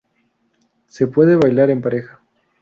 Se puede bailar en pareja.